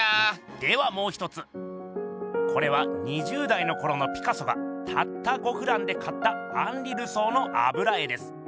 ではもう一つこれは２０代のころのピカソがたった５フランで買ったアンリ・ルソーのあぶら絵です。